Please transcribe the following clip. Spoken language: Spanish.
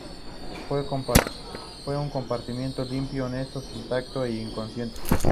Fue un comportamiento limpio, honesto, sin tacto e inconsciente